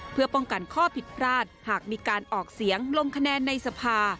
เพื่อป้องกันข้อผิดพลาดหากมีการออกเสียงลงคะแนนในสภา